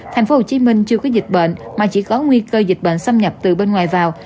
thành phố hồ chí minh chưa có dịch bệnh mà chỉ có nguy cơ dịch bệnh xâm nhập từ bên ngoài vào